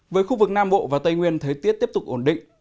với khu vực nam bộ và tây nguyên thời tiết tiếp tục ổn định